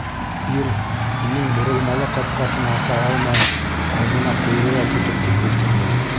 Ир, уның боролмалы ҡапҡасын аса алмай, алдына ҡуйҙы ла тотоп тик ултырҙы.